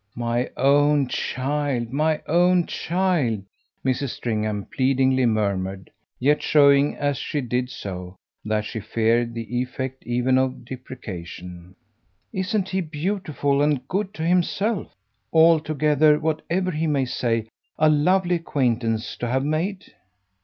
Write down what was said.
"My own child, my own child!" Mrs. Stringham pleadingly murmured; yet showing as she did so that she feared the effect even of deprecation. "Isn't he beautiful and good too himself ? altogether, whatever he may say, a lovely acquaintance to have made?